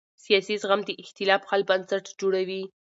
سیاسي زغم د اختلاف حل بنسټ جوړوي